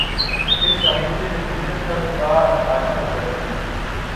کہ شاہیں کیلئے ذلت ہے کار آشیاں بندی